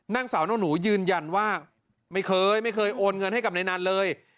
นางสาวน้องหนูยืนยันว่าไม่เคยไม่เคยโอนเงินให้กับนายนันเลย